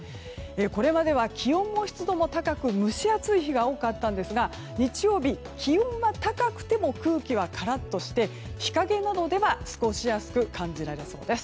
これまでは気温も湿度も高く蒸し暑い日が多かったんですが日曜日、気温が高くても空気はカラッとして日陰などでは過ごしやすく感じられそうです。